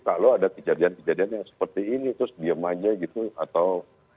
kalau ada kejadian kejadian yang seperti ini terus diem aja gitu atau